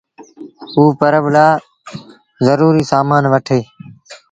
اوٚ پرٻ لآ زروٚريٚ سآمآݩ وٺي